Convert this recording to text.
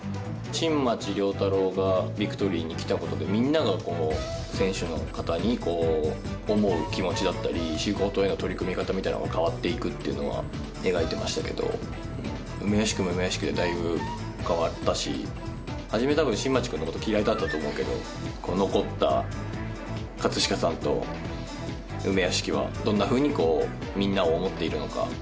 新町亮太郎がビクトリーに来たことでみんなが選手の方に思う気持ちだったり仕事への取り組み方みたいなのが変わっていくっていうのは描いてましたけど梅屋敷も梅屋敷でだいぶ変わったしはじめ多分新町君のこと嫌いだったと思うけど残った葛飾さんと梅屋敷はどんなふうにみんなを思っているのか